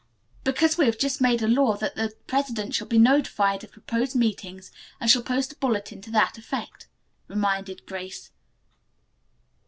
"Because we have just made a law that the president shall be notified of proposed meetings and shall post a bulletin to that effect," reminded Grace.